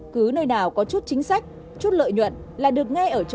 cứ nơi nào có chút chính sách chút lợi nhuận là được nghe ở trường hợp